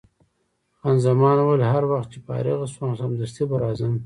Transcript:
خان زمان وویل: هر وخت چې فارغه شوم، سمدستي به راځم.